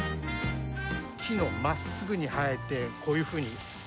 木の真っすぐに生えてこういうふうに。